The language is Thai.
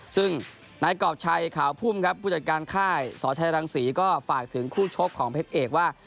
ซึ่งนายกรอบชัยขาวพุ่มครับผู้จัดการค่ายสชัยรังศรีก็ฝากถึงคู่ชกของเพชรเอกว่า